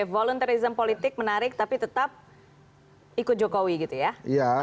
voluntarism politik menarik tapi tetap ikut jokowi gitu ya